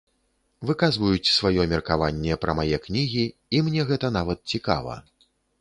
Выказваюць сваё меркаванне пра мае кнігі, і мне гэта нават цікава.